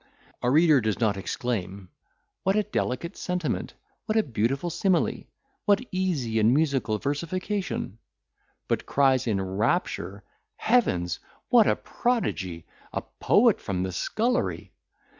A reader does not exclaim, "What a delicate sentiment! what a beautiful simile! what easy and musical versification!"—but cries in rapture, "Heavens! what a prodigy a poet from the scullery!